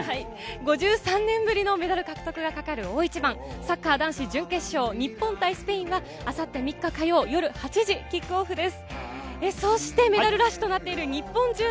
５３年ぶりのメダル獲得がかかる大一番、サッカー男子準決勝、日本対スペインは明後日、３日火曜、夜８時キックオフです。